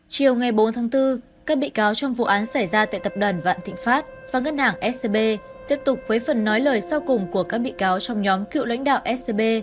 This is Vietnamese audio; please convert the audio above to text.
chiều ngày bốn tháng bốn các bị cáo trong vụ án xảy ra tại tập đoàn vạn thịnh pháp và ngân hàng scb tiếp tục với phần nói lời sau cùng của các bị cáo trong nhóm cựu lãnh đạo scb